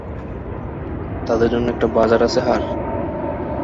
তাদের জন্যএকটা বাজার আছে হাড়?